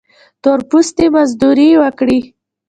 تور پوستي مزدوري وکړي.